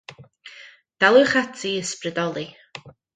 Daliwch ati i ysbrydoli.